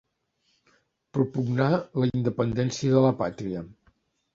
Propugnar la independència de la pàtria.